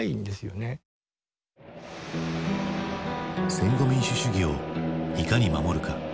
戦後民主主義をいかに守るか。